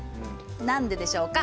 何ででしょうか？